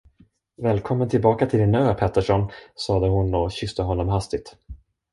Välkommen tillbaka till din ö, Pettersson, sade hon och kysste honom hastigt.